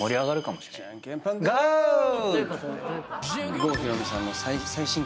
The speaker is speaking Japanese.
郷ひろみさんの最新曲。